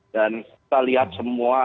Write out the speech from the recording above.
dan kita lihat semua